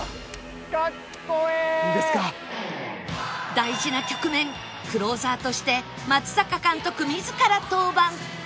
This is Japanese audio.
大事な局面クローザーとして松坂監督自ら登板！